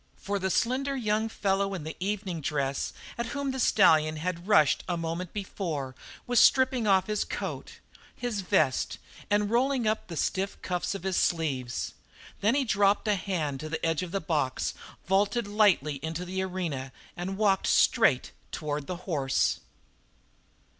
For the slender young fellow in evening dress at whom the stallion had rushed a moment before was stripping off his coat, his vest, and rolling up the stiff cuffs of his sleeves. Then he dropped a hand on the edge of the box, vaulted lightly into the arena, and walked straight toward the horse.